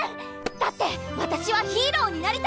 だってわたしはヒーローになりたい！